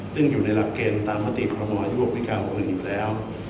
ซึ่งอยู่ในหลักเกณฑ์ตามปฏิกรมอาโยควิกาวอุณหิตแล้ว